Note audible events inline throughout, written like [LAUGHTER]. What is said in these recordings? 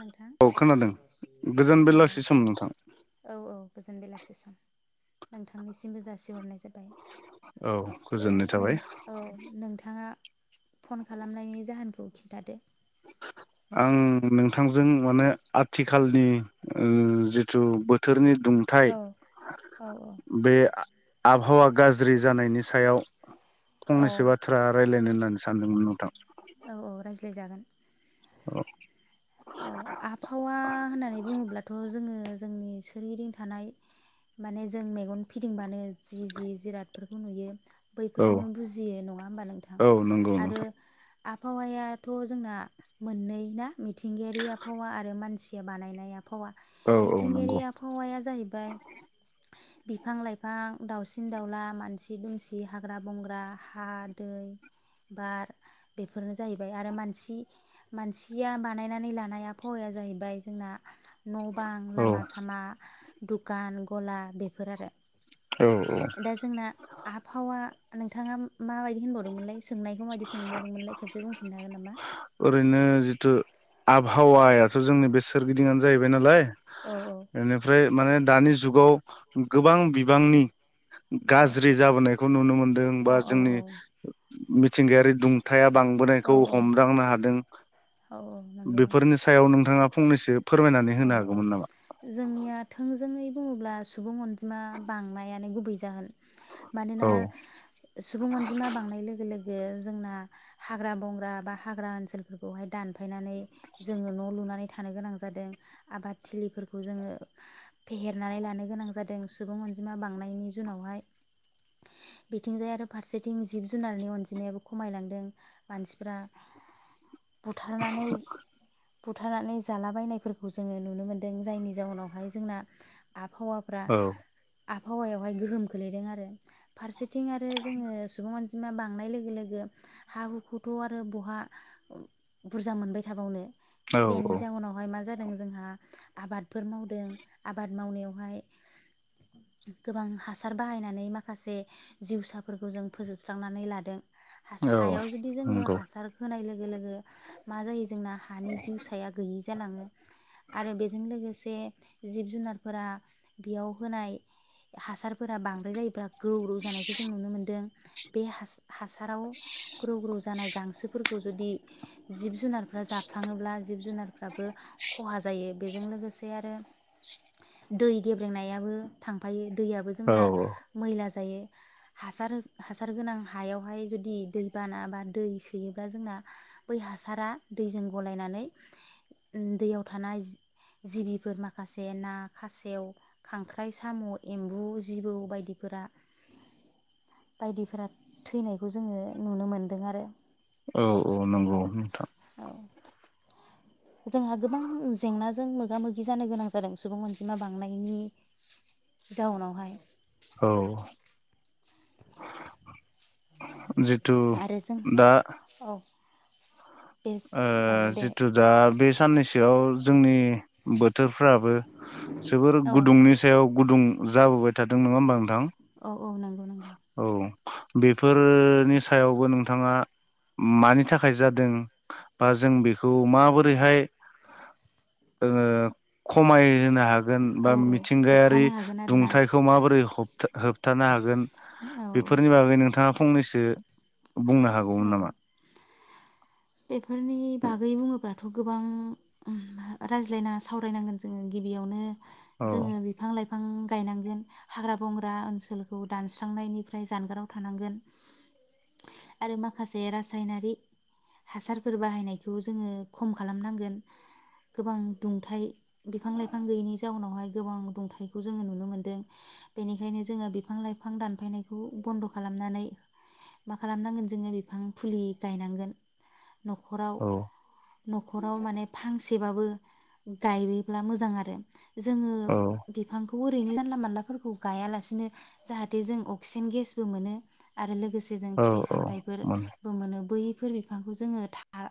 नोंथां औ खोनादों गोजोन बेलासि सम नोंथां औ-औ-औ गोजोन बेलासि सम। नोंथांनिसिमबो जासिहरनाय जाबाय। औ दे गोजोननाय नों थाबाय औ नोंथाङा फन खालामनायनि जाहोनखौ खिन्थादो। आं नोंथांजों माने आथिखालनि ओ जिथु बोथोरनि दुंथाय औ औ बे आबहावा गाज्रि जानायनि सायाव औ फंनैसो बाथ्रा रायजलायनो होननानै सानदोंमोन नोंथां। औ-औ रायज्लाय जागोन। औ। औ आबहावा होननानै बुङोब्लाथ जोङो जोंनि सोरगिदिं थानाय माने जों मेगन फिदिंबानो जि-जि जिरादफोरखौ नुयो औ बैफोरखौनो बुजियो नङा होमबा नोंथां औ नंगौ आरो नोंथां आबहावायाथ जोंना मोननै ना। मिथिंगायारि आबहावा आरो मानसिया बानायनाय आब हावा, औ औ मिथिंगायारि नंगौ आबहावाया जाहैबाय बिफां लाइफां दाउसिन दाउला मानसि दुमसि हाग्रा बंग्रा हा दै बार बेफोरनो जाहैबाय आरो मानसि-मानसिया बा नायनानै लानाय आबहावाया जाहैबाय जोंना न बां औ लामा सामा दुखान गला बेफोर आरो। औ औ दा जोंना आबहावा नोंथाङा माबायदि होनबावदोंमोनलाय? सोंनायखौ मायदि सोंबावदोंमोनलाय खेबसे बुंफिुंनो हागोन नामा। ओरैनो जिथु आबहावायाथ जोंनि बे सोरगिदिंनो जाहैबाय नालाय औ अ औ एनेफ्राय माने दानि जुगाव गोबां बिबांनि गाज्रि जाबोनायखौ नुनो मोनदों बा जोंनि मिथिंगायारि दंथा नाया औ बांबोनायखौ हम औ नंगौ नोंथां हादोंबेफोरनि सायाव नोंथाङा मा फंनैसो फोरमायनानै औ होनो औ हागौमोन नामा? जोंनिया थोंजोङै बुङोब्ला सुबुं अनजिमा बांनायानो गुबै जागोन। औ मानोना सुबुं अनजिमा बांनाय लोगो लोगो बे जोंना हाग्रा बंग्रा बा हाग्रा ओनसोलफोरखौहाय दानफायनानै, जोङो न लुनानै थानो गोनां जादों। आबाद थिलिफोरखौ जोङो फेहेरनानै लानो गोनां जादों। सुबुं अनजिमा बांनायनि जुनावहाय। बिथिंजाय आरो फारसेथिं जिब जुनारनि अनजिमायाबो खमायलांदों मानसिफ्रा। बुथारनानै। बुथारनानै जालाबायनायफोरखौ जोङो नुनो मोन्दों। जायनि जाउनावहाय जोंना आबहावाफ्रा। औ आबहावायावहाय गोहोम खोलैदों आरो। फारसेथिं आरो जोङो सुबुं अनजिमा बांनाय लोगो लोगो हा हुखौथ' आरो बहा बुरजा मोनबाय थाबावनो? औ बेनिजााव नहाय माज जों जोंहा आबादफोर मावदों आबाद मावनायावहाय गोबां हासार बाहायनानै माखासे। जिउसाफोरखौ जों फोजोबस्रांनानै लादों। औ हायाव जुदि औ जोङो नंगौ हासार होनाय लोगो [UNINTELLIGIBLE] मा जायो जोंना? हानि जिउ साया गैय जालाङो। आरो बेजों लोगोसे जिब जुनारफोरा बेयाव होनाय हासारफोरा बांद्राय [UNINTELLIGIBLE] [UNINTELLIGIBLE] नुनो मोनदों, बे हासाराव ग्रौ ग्रौ जानाय गांसोफोरखौ जुदि जिब जुनारफोरखौ जाफ्लाङोब्ला जिब जुनारफोर आबो खहा जायो, बेजों लोगोसे आरो दै गेब्लेंनायाबो थांफायो। दैयाबो औ जोंना औ [UNINTELLIGIBLE] थायो। हासार हासार गोनां हायावहाय जुदि, दैबाना बा दै सोयोबा जोंना। बै हासारा दैजों गलायनानै दैयाव थानाय जिबिफोर माखासे ना, खासेव, खांख्राइ, साम', एम्बु, जिबौ बायदिफोरा बायदिफोरा थैनायखौ जोङो नुनो मोनदों आरो। औ-औ नंगौ नोंथां। औ जोंहा गोबां जेंना जायो। जों मोगा-मोगि जानो गोनां जादों सुबुं अनजिमा बांनायनि जाउनावहाय। औ जे थु आरो जों दा औ बे आ औ दे जिथु दा बे साननैसोआव जोंनि बोथोरफ्राबो जोबोर औ गुदुंनि सायाव गुदुं। जाबोबाय थादों नङा होमबा नोंथां? औ औ नंगौ नंगौ औ बेफोरनि सायावबो नोंथाङा मानि थाखाय जादों बा जों बेखौ माबोरैहाय ओ खमायहोनो हागोन। बा औ मिथिंगायारि होबथानो हागोन आरोना दुंथाइखौ माबोरै होबथानो हागोन। औ बेफोरनि बागै नोंथाङा फंनैसो बुंनो हागौमोन औ नामा? बेफोरनि बागै बुङोब्लाथ' गोबां रायज्लायना सावरायनांगोन जोङो गिबियावनो औ जोङो बिफां-लाइफां, फां गायनांगोन हाग्रा-बंग्रा ओनसोलखौ दानस्रांनायनिफ्राय जानगाराव थानांगोन। आरो माखासे रासायनारि हासारफोर बाहायनायखौ जोङो खम खालामनांगोन गोबां दुंथाय बिफां लाइफां गैयैनि जाउनावहाय गोबां दुंथाइखौ जोङो नुनो मोनदों बेनिखायनो जोङो बिफां लाइफां दानफायनायखौ बन्द' खालामनानै खालामनांगोन जोङो बिफां फुलि गायनांगोन। न'खराव औ न'खराव माने फांसेबाबो। गायोब्ला मोजां आरो जोङो औ बिफांखौ ओरैनो जानला मोनलाफोरखौ गाया लासिनो जाहाते जों अक्सिजेन गेसबो मोनो आरो लोगोसे औ फिथाइ औ मोन सामथाइफोरबो मोनो बै फोर बिफांखौ जोङो था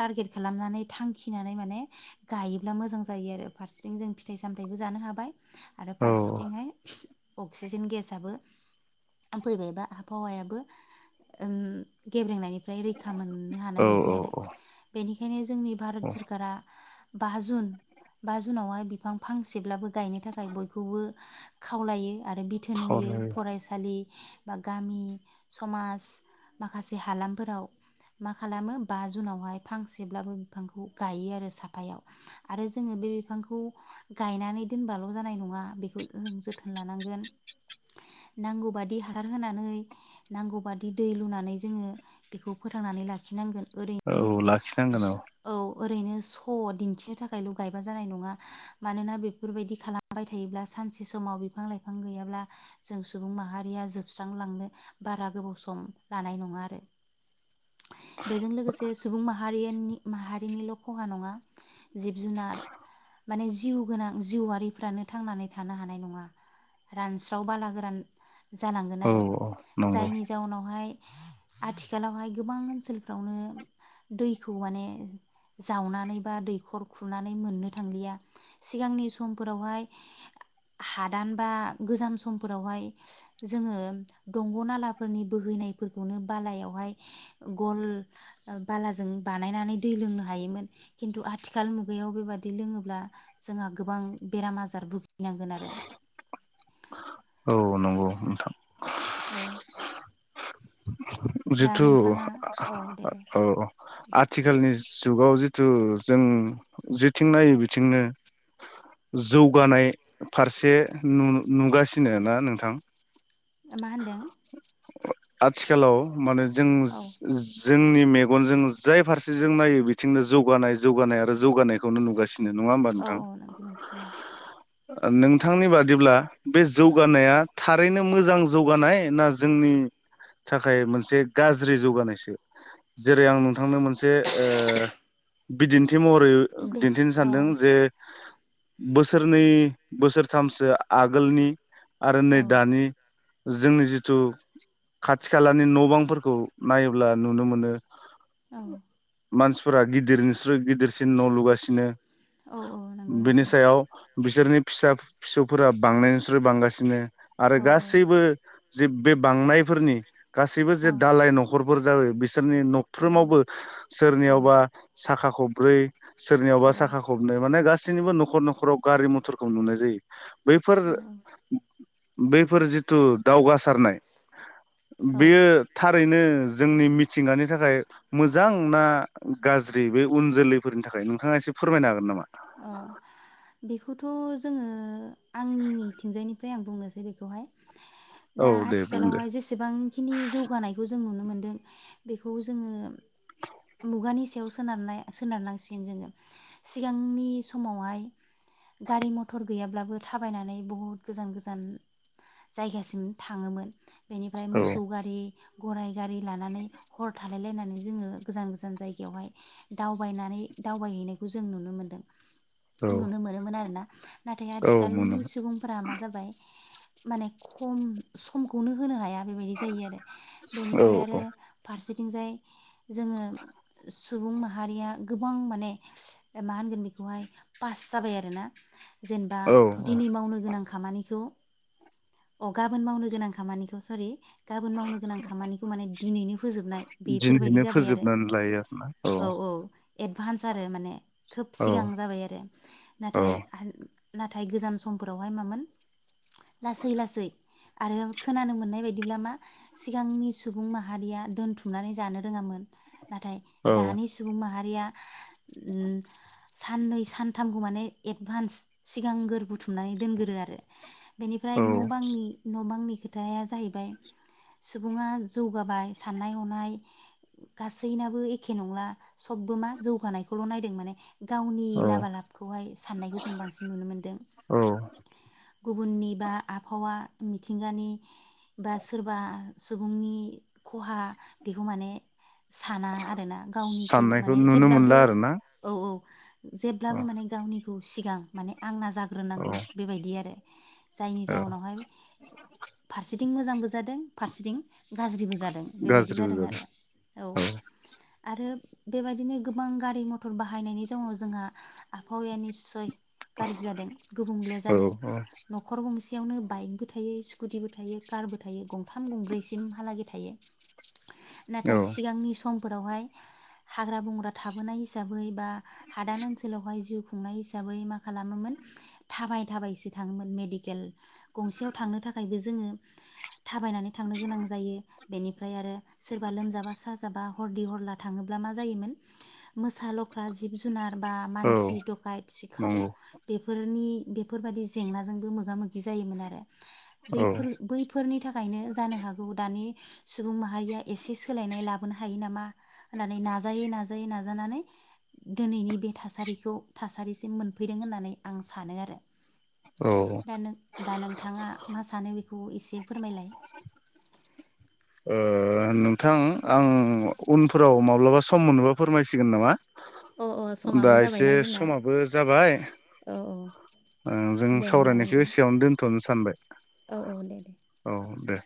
टारगेट खालामनानै थांखिनानै माने गायोब्ला मोजां जायो आरो फारसेथिं जों फिथाइ सामथाइबो जानो हाबाय। आरो औ फारसेथिंहाय अक्सिजेन गेसआबो फैबायबा आबहावायाबो ओम गेब्रेंनायनि फ्राय रैखा मोननो हानाय औ बायदि औ आरो बेनि [UNINTELLIGIBLE] जोंनि भारत औ सोरकारा। बा जुन बा जुनावहाय बिफां फांसेब्लाबो गायनो थाखाय बयखौबो खावलायो। आरो बिथोन होयो खावलाय फरायसालि बा गामि समाज माखासे हालामफोराव मा खालामो बा जुनावहाय फांसेब्लाबो बिफांखौ गायो आरो साफायाव आरो जोङो बे बिफांखौ गायनानै दोनबाल' जानाय नङा बेखौ जों जोथोन लानांगोन नांगौबादि हार होनानै नांगौ बादि दै लुनानै जोङो बेखौ फोथांनानै लाखिनांगोन। ओरैनो औ लाखिनांगोन सु औ ओरैनो स' दिन्थिनो थाखायल' गायबा जानाय नङा मानोना बेफोरबायदि खालामबाय थायोब्ला सानसे समाव बिफां लाइफां गैयाब्ला जों सुबुं माहारिया जोबस्रांलांनो बारा गोबाव सम लानाय नङा आरो बेजों लोगोसे सुबुं माहारियानि माहारिनिल' खहा नङा। जिब जुनार माने जिउ गोनां जिउआरिफ्रानो थांनानै थानो हानाय नङा रानस्राव बाला गोरान जालांगोन औ आरो औ नंगौ जायनि जाउनावहाय आथिखालावहाय गोबां ओनसोलफ्रावनो दैखौ माने जावनानै बा दैखर खुनानै मोननो थांलिया सिगांनि समफोरावहाय हादान बा गोजाम समफोरावहाय जोङो दंग' नालाफोरनि बोहैनायफोरखौनो बालायावहाय गल बालाजों बानायनानै दै लोंनो हायोमोन। खिन्थु आथिखाल मुगायाव बेबादि लोङोब्ला जोंहा गोबां बेराम आजार भुगिनांगोन आरो औ नंगौ नोंथां। औ। दा जिथु नोंथाङा औ दे दे औ आथिखालनि जुगाव जिथु जों जेथिं नायो बिथिंनो जौगानाय फारसे न नुगासिनो ना नोंथां। मा होनदों? आथिखालाव माने जों औ जोंनि मे गन जों जाय फारसे जों नायो बिथिंनो जौगानाय जौगानाय आरो जौगानायखौनो नुगासि औ औ नंगौ नोंथां औ। नोंथांनि बादिब्ला बे जौगानाया थारैनो मोजां जौगानाय ना जोंनि थाखाय मोनसे गाज्रि जौगानायसो। जेरै आं नोंथांनो मोनसे ओ बिदिन थि महरै बे दिन्थिनो औ सान्दों जे बोसोरनै बोसोरथामसो आगोलनि आरो नै औ दानि जोंनि जिथु खाथि खालानि न' बांफोरखौ नायोब्ला नुनो मोनो। औ। मानसिफोरा गिदिरनिस्रुइ गिदिरसिन न' लुगासिनो। औ औ नंगौ बिनि नों सायाव बिसोरनि फिसा फिसौफोरा बांनायनिस्राइ बांगासिनो आरो औ गासैबो जे बे बांनाय फोरनि गासैबो जे औ दालाय न'खरफोर जाबाय बिसोरनि औ न'फ्रोमावबो सोरनियावबा साखा खबब्रै सोरनियावबा साखा खबनै माने गासैनिबो न'खर न'खराव गारि मथरखौ नुनाय जायो बैफोर बैफोर जिथु दावगासारनाय औ बेयो थारैनो जोंनि मिथिंगानि थाखाय मोजां ना गाज्रि बे उन जोलैफोरनि थाखाय नोंथाङा एसे फोरमायनो हागोन नामा? अ बेखौथ' जोङो आंनिथिंजायनिफ्राय आं बुंनोसै बेखौहाय। औ दा दे बुंदो आथिखालावहाय जेसेबांखिनि जौगानायखौ जों नुनो मोनदों बेखौ जोङो मुगानि सायाव सोनारनाय सोनारनांसिगोन जोङो सिगांनि समावहाय गारि मटर गैयाब्लाबो थाबायनानै बहुद गोजान गोजान जायगासिम थाङोमोन। बेनिफ्राय औ मोसौ गारि। गराय गारि लानानै हर थालायलायनानै जोङो गोजान गोजान जायगायावहाय दावबायनानै दावबायहैनायखौ जों नुनो मोनदों। औ नुनो मोनोमोन आरो ना नाथाय औ आथिखालनि मोनोमोन सुबुंफोरा मा जाबाय माने खम समखौनो होनो हाया। बेबायदि जायो आरो औ बेनिफ्राय आरो औ फारसे बिथिंजाय जोङो सुबुं माहारिया गोबां माने मा होनगोन बेखौहाय पास जाबाय आरोना। जेनेबा औ औ दिनै मावनो गोनां खामानिखौ अ गाबोन मावनो गोनां खामानिखौ सरि। गाबोन मावनो गोनां खामानिखौ माने दिनैनो फोजोबनाय बेफोरबायदि दिनैनो जाबाय आरो फोजोबनानै लायो आरोना औ औ एडभान्स आरो माने खोब औ सिगां जाबाय आरो। औ नाथाय नाथाय गोजाम समफोरावहाय मामोन लासै लासै आरो खोनानो मोननाय बायदिब्ला मा सिगांनि सुबुं माहारिया दोनथुमनानै जानो रोङामोन नाथाय औ दानि सुबुं माहारिया साननै सान थामखौ माने एडभान्स सिगांग्र बुथुमनानै दोनगोरो आरो बेनिफ्राय औ न' बांनि न' बांनि बे खोथाया जाहैबाय सुबुङा जौगाबाय साननाय हनाय गासैनाबो एखे नंला सबबो मा जौगानायखौल' नायदों माने गावनि औ लाबा लाब खौहाय सान्नायखौ जों बांसिन नुनो मोनदों औ गुबुननि बा आबहावा मिथिंगानि बा सोरबा सुबुंनि खहा बेखौ माने साना आरोना गावनिखौ साननायखौ माने नुनो मोनला जेब्लाबो आरोना औ औ [INAUDIBLE] औ जेब्लाबो माने गावनि खौ सिगां माने आंना औ जाग्रोनांगौ बेबायदि आरो [INAUDIBLE] जायनि औ जाउनावहाय फारसे थिं मोजांबोज जादों फारसेथिं गाज्रिबो जादों बेबायदि जादों आरो औ आरो बेबायदिनो गोबां गारि मथर बाहायनायनि जाउनाव जोंहा आबहावाया निस्सय गाज्रि जादों गुबुंले औ जादों न'खर गं सेयावनो बाइकबो थायो स्कुटिबो थायो कारबो थायो गंथाम गंब्रैसिमहालागै थायो। औ नाथाय सिगांनि सम फोरावहाय हाग्रा बंग्रा थाबोनाय हिसाबै बा हादान ओनसोलावहाय जिउ खुंनाय हिसाबै मा खालामोमोन, थाबाय थाबायसो थाङोन मेडकेल गंसेयाव थांनो थाखायबो जोङो थाबायनानै थांनो गोनां जायो, बेनिफ्राय आरो सोरबा लोमजाबा साजाबा हरदि हरला थाङोब्ला मा जायोमोन मोसा लख्रा जिब जुनार बा औ मानसि दखायत सिखाव नंगौ बे बेफोरनि बेफोरबायदि जेंनाजोंबो मोगा-मोगि जायोमोन आरो बैफोर औ बैफोरनि था खायनो जानो हागौ दानि सुबुं माहारिया एसे सोलायनाय लाबोनो हायो नामा होननानै नाजायै नाजायै नाजानानै दिनैनि बे थासारिखौ थासारिसिम मोनफैदों होननानै आं सानो आरो औ औ दा नों दा नोंथाङा मा सानो बेखौ एसे फोरमायलाय ओ नोंथां आं उनफोराव माब्लाबा सम मोनोबा फोरमायसिगोन नामा अ अ दा समाबो एसे जाबायना जोंना समाबो जाबाय औ औ ओ जों दे होमबा सावरायनायखौ नोंथां एसेयावनो दोनथनो सानबाय औ औ दे दे औ दे